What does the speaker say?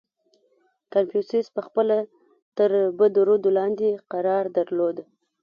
• کنفوسیوس پهخپله تر بدو ردو لاندې قرار درلود.